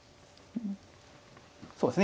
そうですね